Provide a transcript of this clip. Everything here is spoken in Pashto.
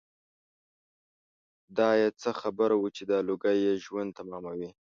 دای څه خبر و چې دا لوګي یې ژوند تماموي.